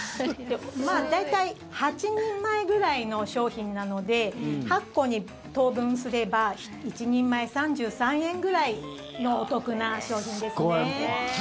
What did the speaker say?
大体８人前ぐらいの商品なので８個に等分すれば１人前３３円ぐらいのお得な商品ですね。